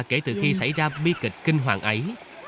kể từ khi xảy ra bi kịch kinh hoàng ấy